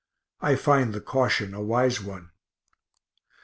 I find the caution a wise one.